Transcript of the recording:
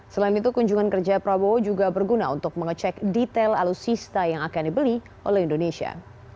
selain itu kunjungan kerja prabowo juga berguna untuk mengecek detail alutsista yang akan dibeli oleh indonesia